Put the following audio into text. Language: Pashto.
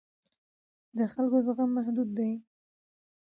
د خلکو زغم محدود دی